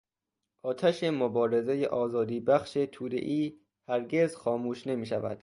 آتش مبارزهٔ آزادیبخش توده ای هرگز خاموش نمیشود.